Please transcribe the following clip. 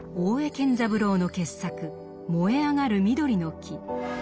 健三郎の傑作「燃えあがる緑の木」。